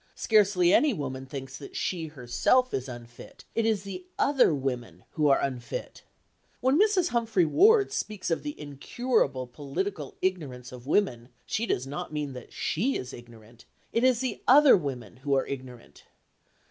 Scarcely any woman thinks that she herself is unfit; it is the other women who are unfit. When Mrs. Humphry Ward speaks of the incurable political ignorance of women, she does not mean that she is ignorant. _It is the other women who are ignorant.